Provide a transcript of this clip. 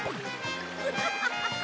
ハハハハ！